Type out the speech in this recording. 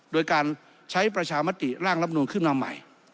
โดยการใช้ประชามติร่างรับนูนขึ้นมาใหม่